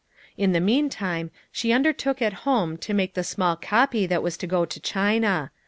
In the meantime, she undertook at home to make the small copy that was to go to China.